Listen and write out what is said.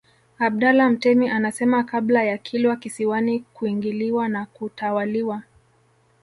Abdallah Mtemi anasema kabla ya Kilwa Kisiwani kuingiliwa na kutawaliwa